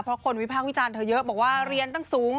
เพราะคนวิพากษ์วิจารณ์เธอเยอะบอกว่าเรียนตั้งสูง